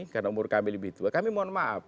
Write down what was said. karena umur kami lebih tua kami mohon maaf